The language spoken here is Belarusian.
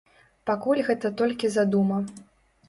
Пакуль гэта толькі задума.